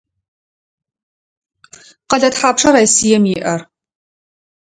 Къэлэ тхьапша Россием иӏэр?